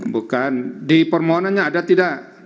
bukan di permohonannya ada tidak